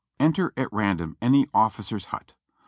Enter at random any officer's hut.